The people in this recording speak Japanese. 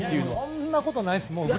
そんなことはないです。